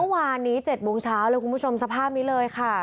เมื่อวานนี้๗โมงเช้าเลยคุณผู้ชมสภาพนี้เลยค่ะ